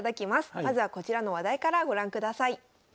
まずはこちらの話題からご覧ください。